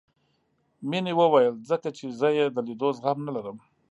مينې وويل ځکه چې زه يې د ليدو زغم نه لرم.